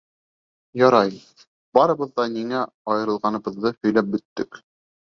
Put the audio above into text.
Ярай, барыбыҙ ҙа ниңә айырылғаныбыҙҙы һөйләп бөттөк.